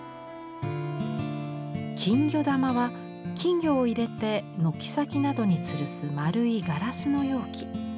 金魚玉は金魚を入れて軒先などにつるす丸いガラスの容器。